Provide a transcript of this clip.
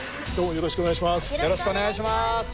よろしくお願いします。